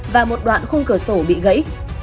và một đoạn khung cửa sổ bị gãy